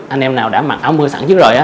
anh em nào đã mặc áo mưa sẵn trước rồi